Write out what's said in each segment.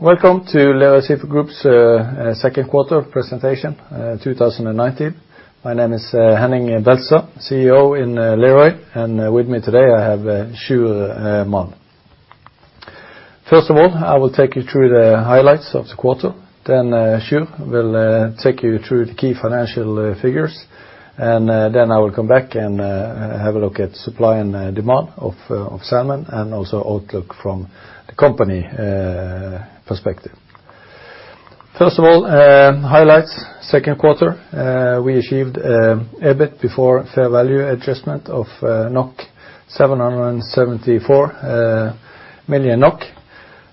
Welcome to Lerøy Seafood Group's second quarter presentation 2019. My name is Henning Beltestad, CEO in Lerøy. With me today I have Sjur Malm. I will take you through the highlights of the quarter. Sjur will take you through the key financial figures. I will come back and have a look at supply and demand of salmon and also outlook from the company perspective. Highlights second quarter. We achieved EBIT before fair value adjustment of 774 million NOK,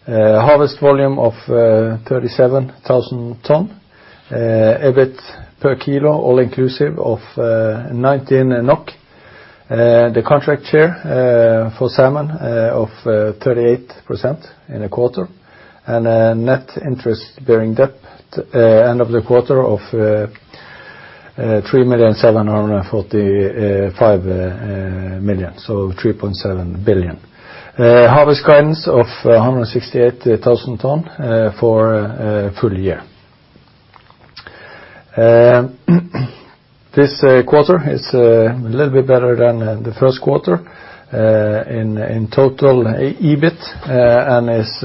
harvest volume of 37,000 tons, EBIT per kilo all-inclusive of 19 NOK. The contract share for salmon of 38% in the quarter. Net interest-bearing debt end of the quarter of 3,745 million, so 3.7 billion. Harvest guidance of 168,000 tons for a full year. This quarter is a little bit better than the first quarter. In total, EBIT and is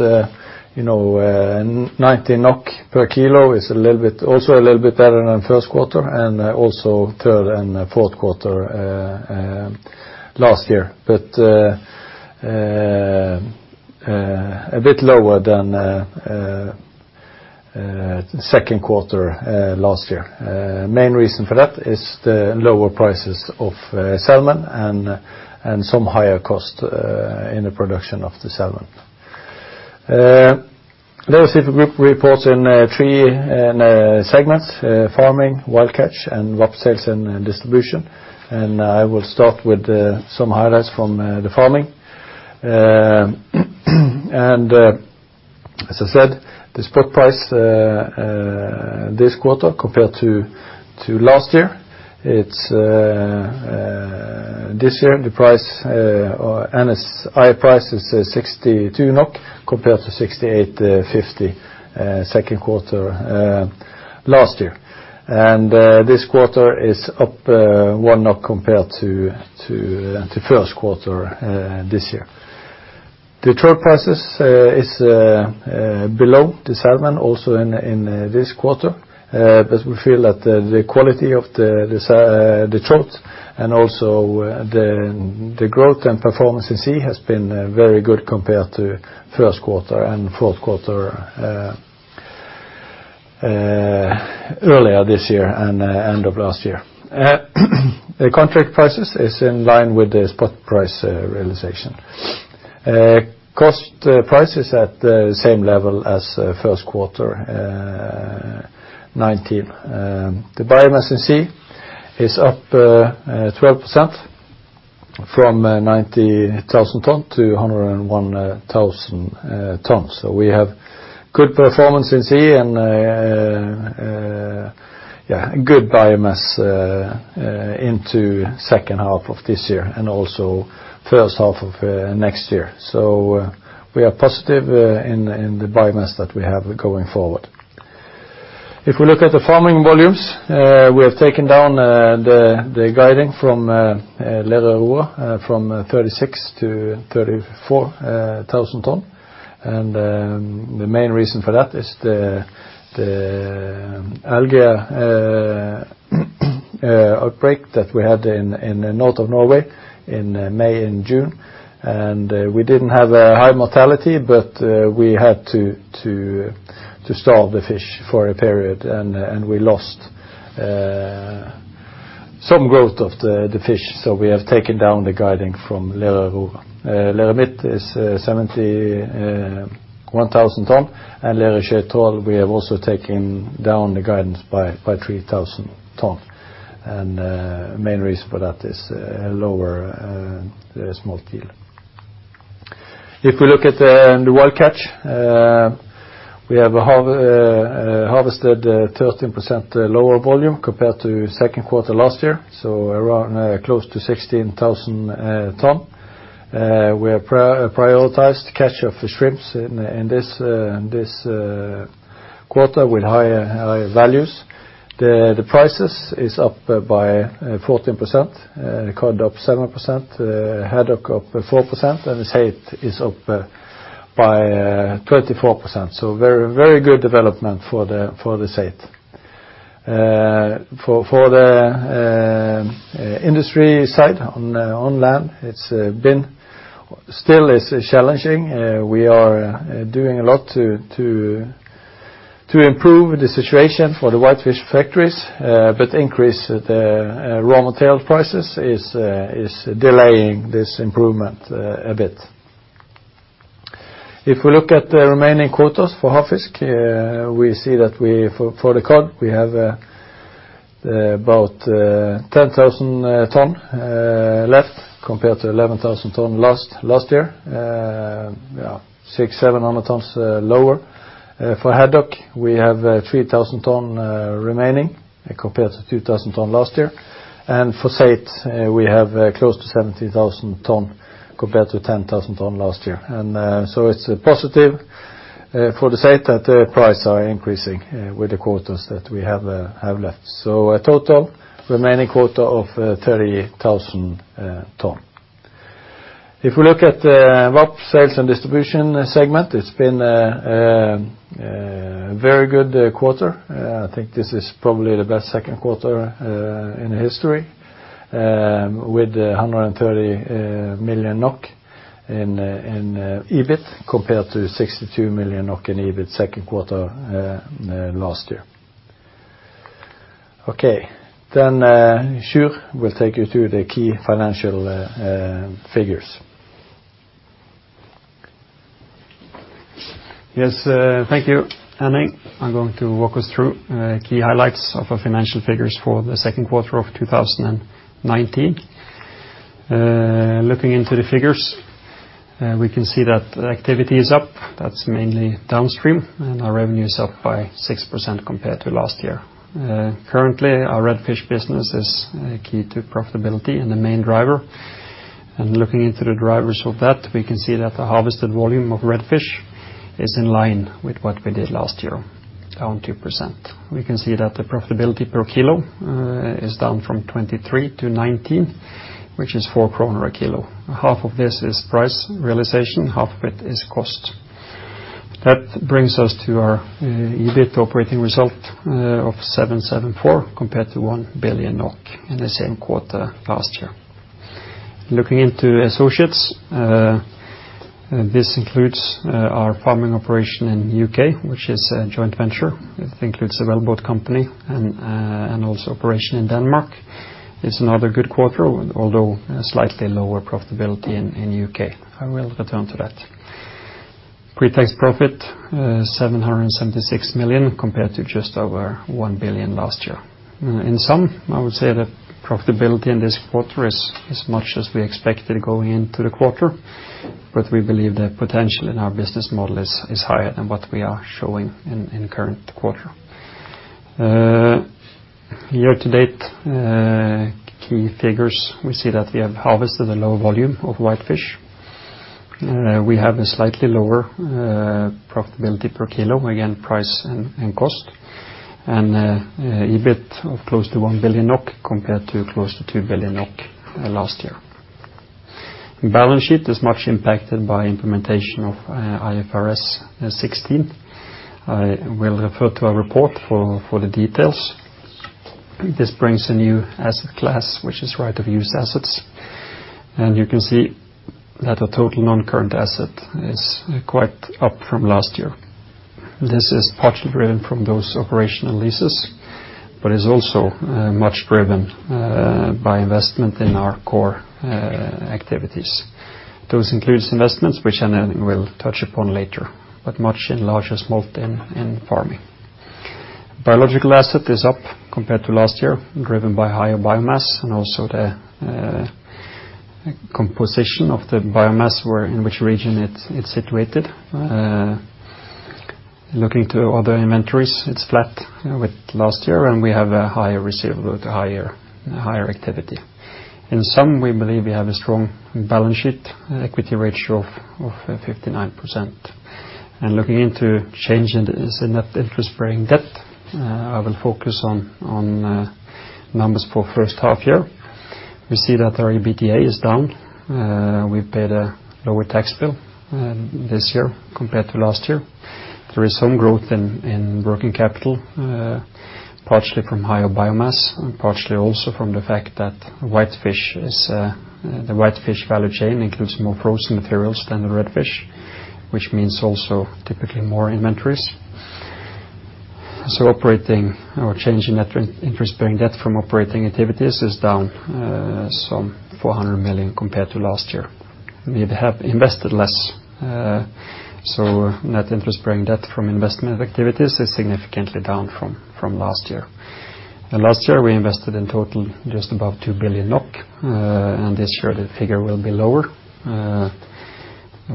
19 NOK per kilo is also a little bit better than first quarter and also third and fourth quarter last year. A bit lower than second quarter last year. Main reason for that is the lower prices of salmon and some higher cost in the production of the salmon. Lerøy Seafood Group reports in three segments, farming, wild catch, and raw sales and distribution. I will start with some highlights from the farming. As I said, the spot price this quarter compared to last year, this year the NOS price is 62 NOK compared to 68.50 second quarter last year. This quarter is up 1 NOK compared to first quarter this year. The trout prices is below the salmon also in this quarter but we feel that the quality of the trout and also the growth and performance at sea has been very good compared to first quarter and fourth quarter earlier this year and end of last year. The contract prices is in line with the spot price realization. Cost prices at the same level as first quarter 2019. The biomass at sea is up 12% from 90,000 tonnes-101,000 tonnes. We have good performance at sea and good biomass into second half of this year and also first half of next year. We are positive in the biomass that we have going forward. If we look at the farming volumes, we have taken down the guiding from Lerøy Aurora from 36,000-34,000 tonnes. The main reason for that is the algae outbreak that we had in the north of Norway in May and June. We didn't have a high mortality but we had to starve the fish for a period and we lost some growth of the fish, so we have taken down the guiding from Lerøy Aurora. Lerøy Midt is 71,000 tonnes and Lerøy Sjøtroll we have also taken down the guidance by 3,000 tonnes and main reason for that is lower smolt yield. If we look at the wild catch, we have harvested 13% lower volume compared to second quarter last year, so close to 16,000 tonnes. We have prioritized catch of the shrimps in this quarter with higher values. The prices is up by 14%, cod up 7%, haddock up 4%, and the saithe is up by 34%. Very good development for the saithe. For the industry side on land, it still is challenging. We are doing a lot to improve the situation for the whitefish factories, increase the raw material prices is delaying this improvement a bit. If we look at the remaining quotas for [demersal fish], we see that for the cod, we have about 10,000 tons left compared to 11,000 tons lost last year. 6,700 tons lower. For haddock, we have 3,000 tons remaining compared to 2,000 tons last year. For saithe, we have close to 17,000 tons compared to 10,000 tons last year. It's a positive for the saithe that the price are increasing with the quotas that we have left. A total remaining quota of 38,000 tons. If you look at the VAP sales and distribution segment, it's been a very good quarter. I think this is probably the best second quarter in history with 130 million NOK in EBIT compared to 62 million NOK in EBIT second quarter last year. Okay, Sjur will take you through the key financial figures. Yes, thank you, Henning. I'm going to walk us through key highlights of our financial figures for the second quarter of 2019. Looking into the figures, we can see that the activity is up, that's mainly downstream, and our revenue is up by 6% compared to last year. Currently, our red fish business is key to profitability and the main driver. Looking into the drivers of that, we can see that the harvested volume of red fish is in line with what we did last year, down 2%. We can see that the profitability per kilo is down from 23-19, which is 4 kroner a kilo. Half of this is price realization, half of it is cost. That brings us to our EBIT operating result of 774 compared to 1 billion NOK in the same quarter last year. Looking into associates, this includes our farming operation in the U.K., which is a joint venture with SalMar. Also operation in Denmark. It's another good quarter, although slightly lower profitability in U.K. I will return to that. Pre-tax profit, 776 million compared to just over 1 billion last year. In sum, I would say that profitability in this quarter is as much as we expected going into the quarter, but we believe the potential in our business model is higher than what we are showing in current quarter. Year to date, key figures, we see that we have harvested a low volume of whitefish. We have a slightly lower profitability per kilo, again, price and cost, and EBIT of close to 1 billion NOK compared to close to 2 billion NOK last year. Balance sheet is much impacted by implementation of IFRS 16. I will refer to our report for the details. This brings a new asset class, which is right of use assets. You can see that the total non-current asset is quite up from last year. This is partly driven from those operational leases but is also much driven by investment in our core activities. Those includes investments which I will touch upon later, but much in larger smolt in farming. Biological asset is up compared to last year, driven by higher biomass and also the composition of the biomass in which region it's situated. Looking to other inventories, it's flat with last year, and we have a higher receivable with higher activity. In sum, we believe we have a strong balance sheet equity ratio of 59%. Looking into change in net interest-bearing debt, I will focus on numbers for first half year. We see that our EBITDA is down. We paid a lower tax bill this year compared to last year. There is some growth in working capital, partially from higher biomass and partially also from the fact that the whitefish value chain includes more frozen materials than the red fish, which means also typically more inventories. Our change in net interest-bearing debt from operating activities is down some 400 million compared to last year. We have invested less, so net interest-bearing debt from investment activities is significantly down from last year. Last year, we invested in total just about 2 billion NOK, and this year the figure will be lower.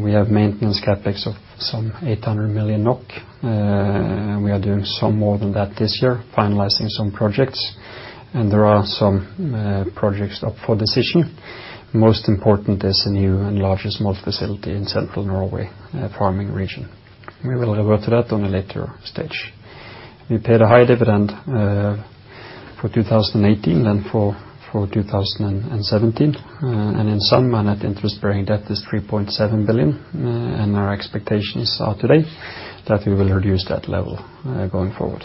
We have maintenance CapEx of some 800 million NOK. We are doing some more than that this year, finalizing some projects, and there are some projects up for decision. Most important is a new and larger smolt facility in central Norway farming region. We will go over that on a later stage. We paid a high dividend for 2018 and for 2017. In sum, our net interest-bearing debt is 3.7 billion, and our expectations are today that we will reduce that level going forward.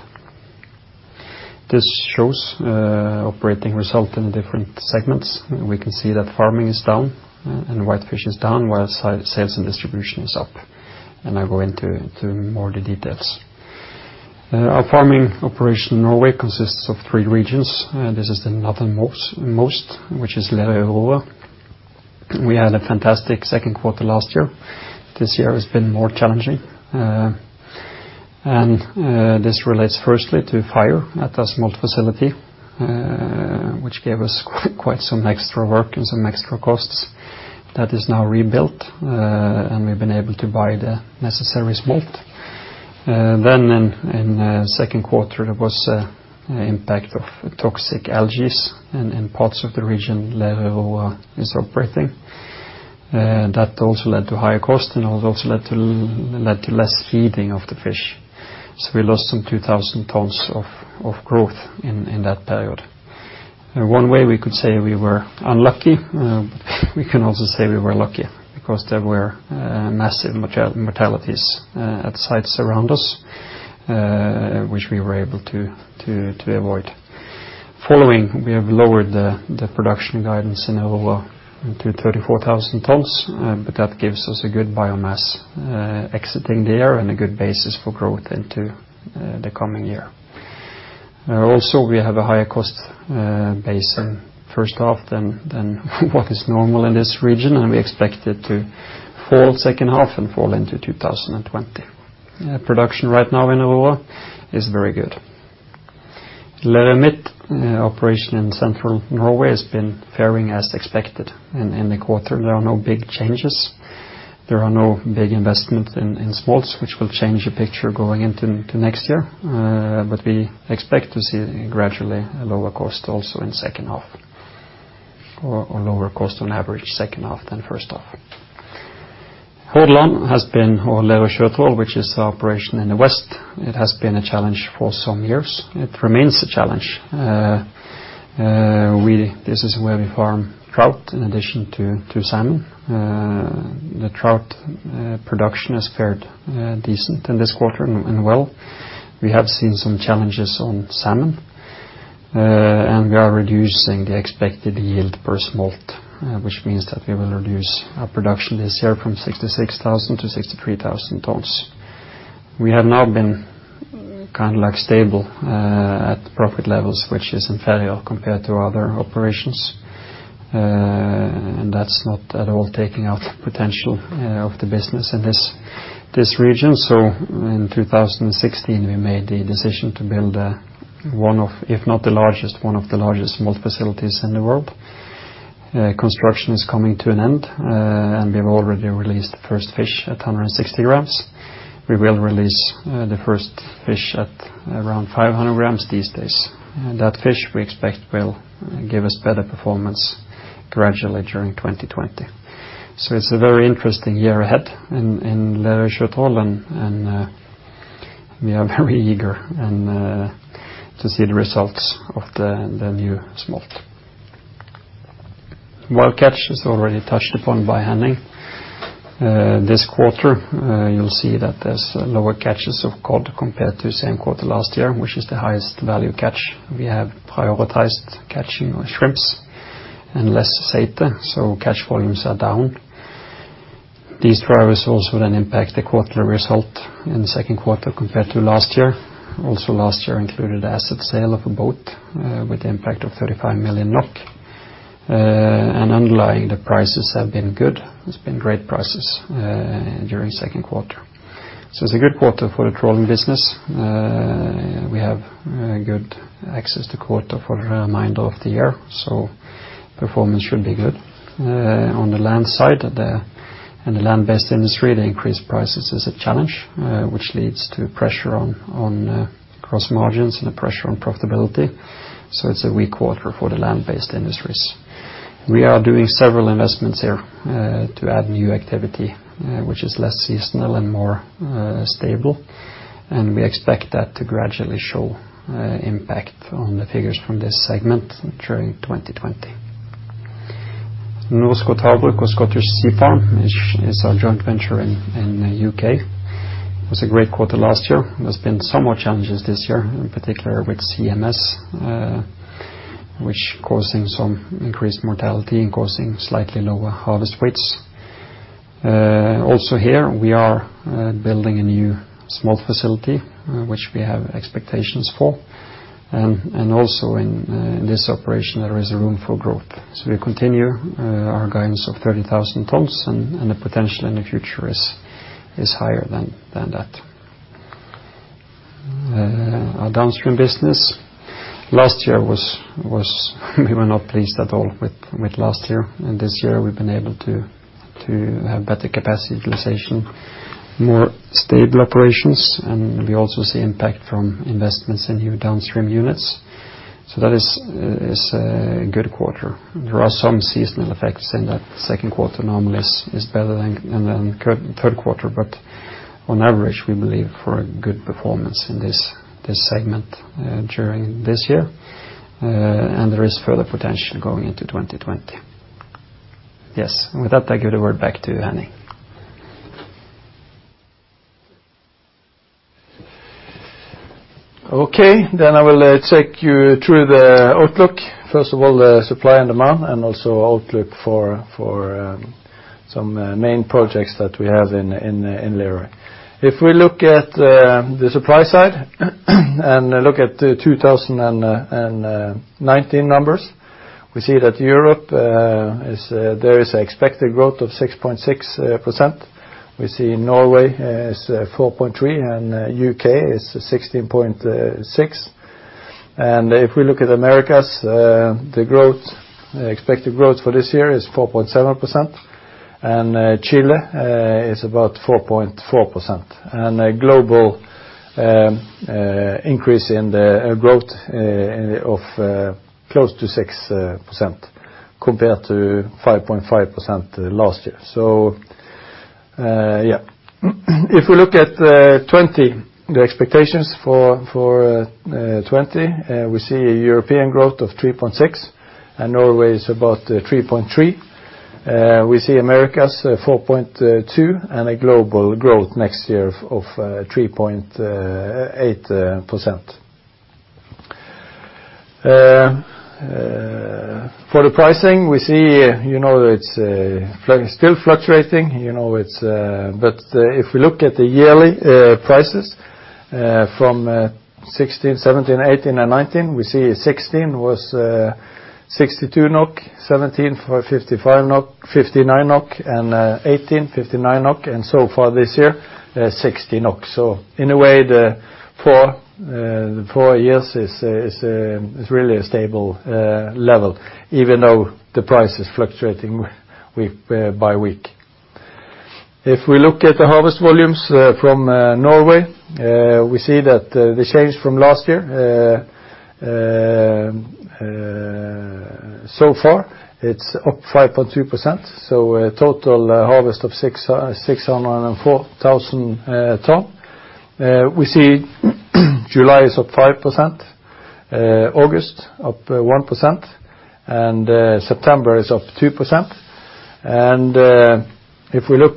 This shows operating result in different segments. We can see that farming is down and whitefish is down, while sales and distribution is up. I'll go into more of the details. Our farming operation in Norway consists of three regions. This is the northernmost, which is Lerøy Aurora. We had a fantastic second quarter last year. This year has been more challenging. This relates firstly to fire at the smolt facility which gave us quite some extra work and some extra costs. That is now rebuilt, and we've been able to buy the necessary smolt. In the second quarter, there was an impact of toxic algae in parts of the region Lerøy is operating. That also led to higher cost and also led to less feeding of the fish. We lost some 2,000 tons of growth in that period. In one way, we could say we were unlucky. We can also say we were lucky because there were massive mortalities at sites around us, which we were able to avoid. Following, we have lowered the production guidance in Lerøy to 34,000 tons, that gives us a good biomass exiting there and a good basis for growth into the coming year. We have a higher cost base in first half than what is normal in this region, and we expect it to fall second half and fall into 2020. Production right now in Lerøy is very good. Lerøy Midt, the operation in central Norway, has been faring as expected in the quarter. There are no big changes. There are no big investments in smolts, which will change the picture going into next year. We expect to see gradually a lower cost also in second half or lower cost on average second half than first half. Hordaland or Lerøy Sjøtroll which is the operation in the west. It has been a challenge for some years. It remains a challenge. This is where we farm trout in addition to salmon. The trout production has fared decent in this quarter and well. We have seen some challenges on salmon, and we are reducing the expected yield per smolt, which means that we will reduce our production this year from 66,000-63,000 tonnes. We have now been kind of stable at profit levels, which is inferior compared to other operations. That's not at all taking out the potential of the business in this region. In 2016, we made the decision to build one of, if not the largest, one of the largest smolt facilities in the world. Construction is coming to an end, and we've already released the first fish at 160 grams. We will release the first fish at around 500 grams these days. That fish, we expect, will give us better performance gradually during 2020. It's a very interesting year ahead in Lerøy Sjøtroll and we are very eager to see the results of the new smolt. Wild catch is already touched upon by Henning. This quarter, you'll see that there's lower catches of cod compared to the same quarter last year, which is the highest value catch. We have prioritized catching shrimps and less saithe, catch volumes are down. These drivers also impact the quarterly result in the second quarter compared to last year. Last year included asset sale of a boat with the impact of 35 million NOK and underlying the prices have been good. It's been great prices during second quarter. It's a good quarter for the trawling business. We have good access to quota for the remainder of the year, performance should be good. On the land side, in the land-based industry, the increased prices is a challenge, which leads to pressure on gross margins and a pressure on profitability. It's a weak quarter for the land-based industries. We are doing several investments here to add new activity, which is less seasonal and more stable, and we expect that to gradually show impact on the figures from this segment during 2020. Norskott Havbruk or Scottish Sea Farms, which is our joint venture in the U.K. It was a great quarter last year. There's been some more challenges this year, in particular with CMS which causing some increased mortality and causing slightly lower harvest rates. Here, we are building a new smolt facility, which we have expectations for. In this operation, there is room for growth. We continue our guidance of 30,000 tons and the potential in the future is higher than that. Our downstream business. We were not pleased at all with last year, and this year we've been able to have better capacity utilization, more stable operations, and we also see impact from investments in new downstream units. That is a good quarter. There are some seasonal effects in that second quarter normally is better than third quarter, but on average, we believe for a good performance in this segment during this year and there is further potential going into 2020. With that, I give it word back to you, Henning. I will take you through the outlook. First of all, the supply and demand and also outlook for some main projects that we have in Lerøy. If we look at the supply side and look at the 2019 numbers, we see that Europe there is expected growth of 6.6%. We see Norway is 4.3% and U.K. is 16.6%. If we look at Americas, the expected growth for this year is 4.7%. Chile is about 4.4%. A global increase in the growth of close to 6% compared to 5.5% last year. Yeah. If we look at the expectations for 2020, we see a European growth of 3.6% and Norway is about 3.3%. We see Americas 4.2% and a global growth next year of 3.8%. For the pricing, we see it's still fluctuating. If we look at the yearly prices from 2016, 2017, 2018, and 2019, we see 2016 was 62 NOK, 2017 for 59 NOK, and 2018 59 NOK, and so far this year, 60 NOK. In a way, the four years is really a stable level, even though the price is fluctuating by week. If we look at the harvest volumes from Norway, we see that the change from last year, so far it's up 5.2%. A total harvest of 604,000 tons. We see July is up 5%, August up 1%, and September is up 2%. If we look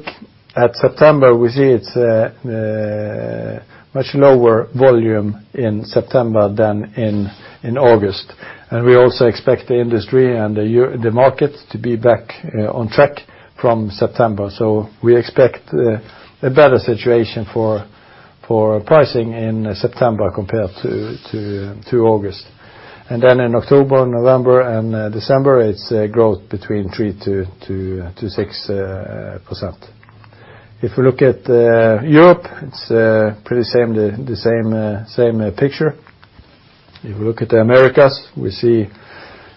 at September, we see it's a much lower volume in September than in August. We also expect the industry and the markets to be back on track from September. We expect a better situation for pricing in September compared to August. In October, November, and December, it's a growth between 3%-6%. If you look at Europe, it's pretty the same picture. If you look at the Americas, we see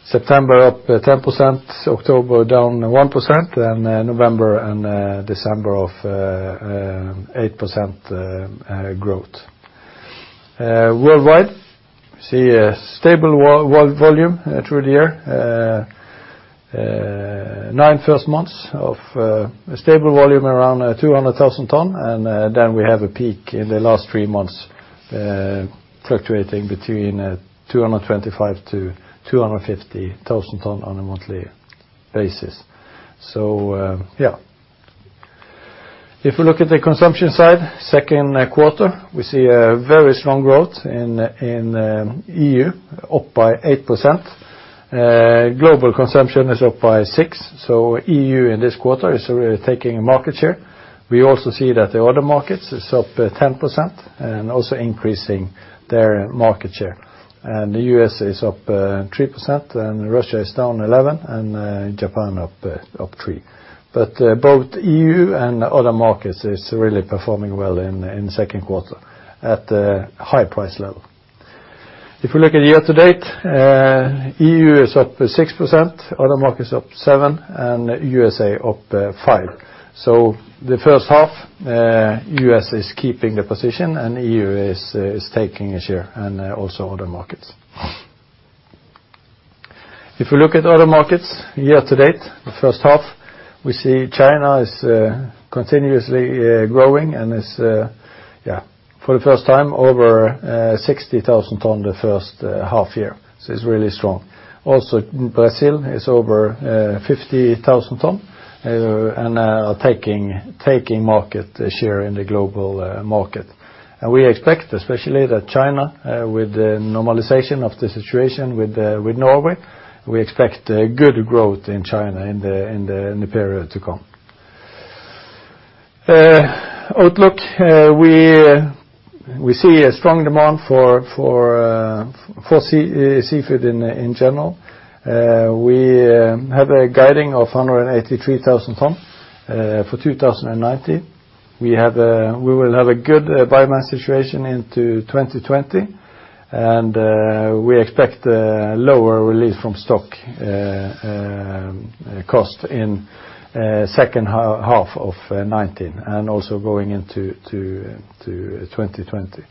September up 10%, October down 1%, and November and December of 8% growth. Worldwide, we see a stable volume through the year. Nine first months of a stable volume around 200,000 tons, and then we have a peak in the last three months, fluctuating between 225,000-250,000 tons on a monthly basis. Yeah. If you look at the consumption side, Q2, we see a very strong growth in EU, up by 8%. Global consumption is up by 6%. EU in this quarter is really taking a market share. We also see that the other markets is up 10% and also increasing their market share. The U.S. is up 3% and Russia is down 11% and Japan up 3%. Both EU and other markets is really performing well in Q2 at a high price level. If you look at year-to-date, EU is up 6%, other markets up 7%, and U.S. up 5%. The 1st half, U.S. is keeping the position and EU is taking a share and also other markets. If you look at other markets year to date, the first half, we see China is continuously growing and it's for the first time over 60,000 tons the first half-year. It's really strong. Also Brazil is over 50,000 tons and are taking market share in the global market. We expect, especially that China, with the normalization of the situation with Norway, we expect a good growth in China in the period to come. Outlook, we see a strong demand for seafood in general. We have a guiding of 183,000 tons for 2019. We will have a good biomass situation into 2020. We expect a lower release from stock cost in second half of 2019 and also going into 2020.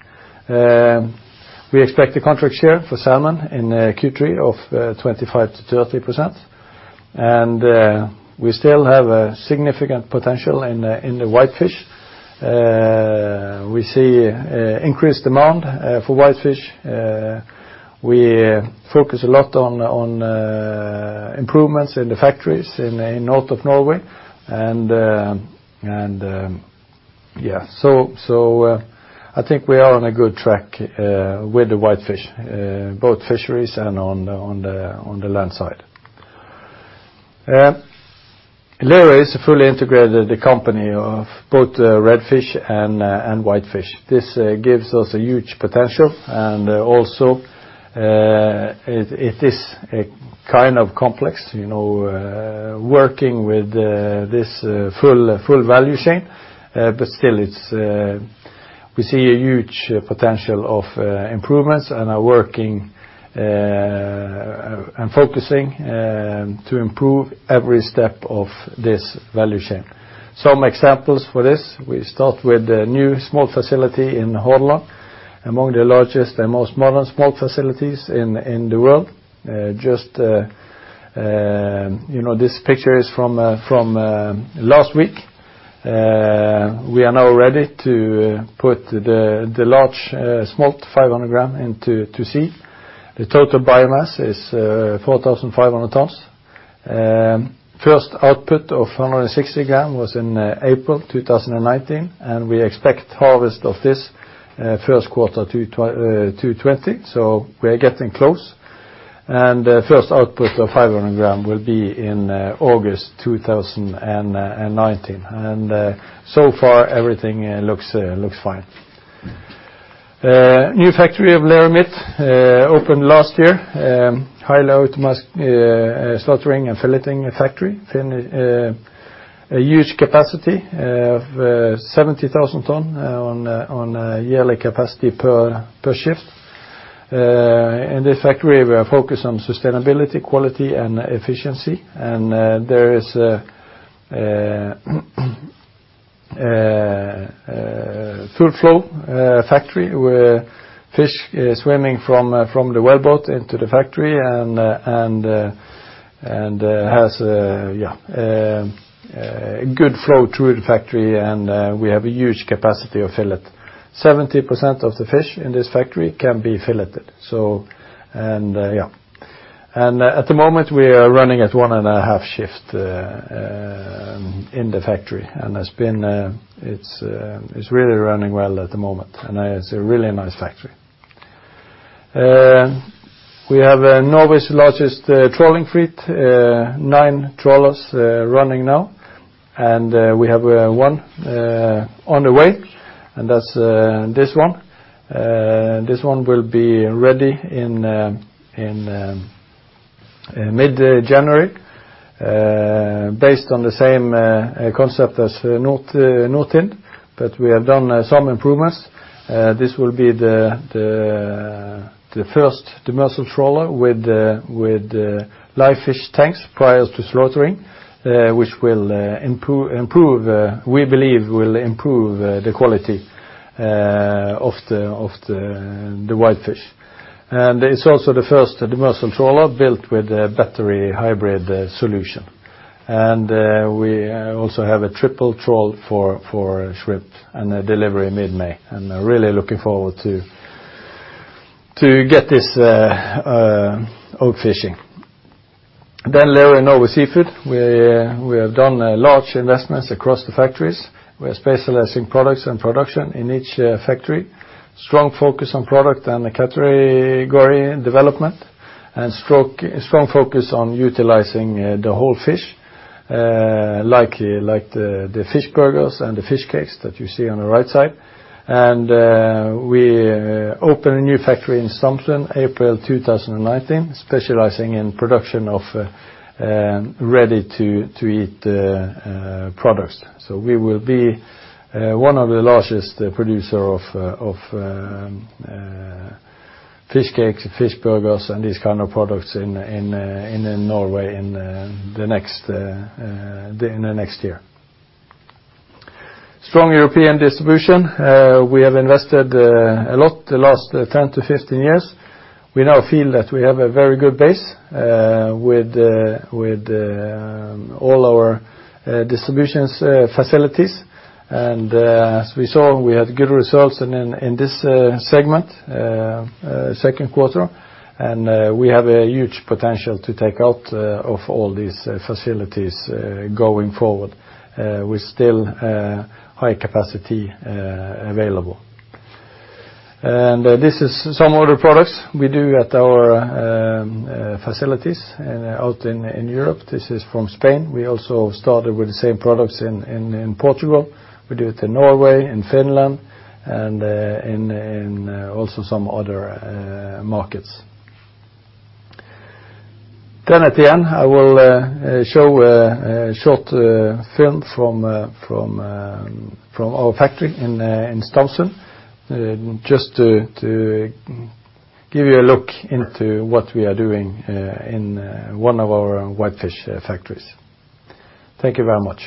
We expect the contract share for salmon in Q3 of 25%-30%. We still have a significant potential in the whitefish. We see increased demand for white fish. We focus a lot on improvements in the factories in north of Norway. I think we are on a good track with the white fish, both fisheries and on the land side. Lerøy is a fully integrated company of both red fish and white fish. This gives us a huge potential and also it is kind of complex working with this full value chain. Still, we see a huge potential of improvements and are working and focusing to improve every step of this value chain. Some examples for this, we start with the new smolt facility in Kjærelva, among the largest and most modern smolt facilities in the world. This picture is from last week. We are now ready to put the large smolt 500 grams into sea. The total biomass is 4,500 tons. First output of 160 gram was in April 2019, we expect harvest of this first quarter 2020, so we're getting close. First output of 500 gram will be in August 2019. So far everything looks fine. New factory of Lerøy Midt opened last year. Highly automated slaughtering and filleting factory. A huge capacity of 70,000 tons on yearly capacity per shift. In this factory we are focused on sustainability, quality and efficiency. There is throughflow factory where fish is swimming from the wellboat into the factory and has a good flow through the factory and we have a huge capacity to fillet. 70% of the fish in this factory can be filleted. At the moment we are running at one and a half shift in the factory and it's really running well at the moment, and it's a really nice factory. We have Norway's largest trawling fleet, nine trawlers running now, and we have one on the way, and that's this one. This one will be ready in mid-January. Based on the same concept as Nordtind. We have done some improvements. This will be the first Demersal trawler with live fish tanks prior to slaughtering, which we believe will improve the quality of the white fish. It's also the first demersal trawler built with a battery hybrid solution. We also have a triple trawl for shrimp and delivery mid-May, and really looking forward to get this out fishing. Lerøy Norway Seafoods. We have done large investments across the factories. We are specializing products and production in each factory. Strong focus on product and category development and strong focus on utilizing the whole fish, like the fish burgers and the fish cakes that you see on the right side. We open a new factory in Stamsund, April 2019, specializing in production of ready-to-eat products. We will be one of the largest producer of fish cakes, fish burgers, and these kind of products in Norway in the next year. Strong European distribution. We have invested a lot the last 10-15 years. We now feel that we have a very good base with all our distribution facilities. As we saw, we had good results in this segment, second quarter, and we have a huge potential to take out of all these facilities going forward with still high capacity available. This is some other products we do at our facilities out in Europe. This is from Spain. We also started with the same products in Portugal. We do it in Norway, in Finland, and in also some other markets. At the end, I will show a short film from our factory in Stamsund just to give you a look into what we are doing in one of our white fish factories. Thank you very much.